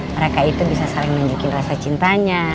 mereka itu bisa saling nunjukin rasa cintanya